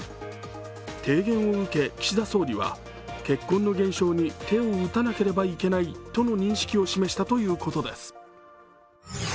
提言を受け、岸田総理は結婚の減少に手を打たなければいけないとの認識を示したということです。